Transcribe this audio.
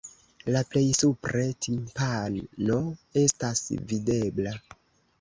La plej supre timpano estas videbla.